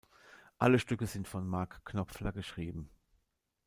Alle Stücke sind von Mark Knopfler geschrieben.